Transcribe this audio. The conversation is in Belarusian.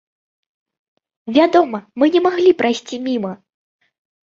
Вядома, мы не маглі прайсці міма!